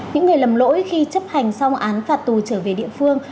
những người lầm lỗi khi chấp hành xong án phạt tù trở về địa phương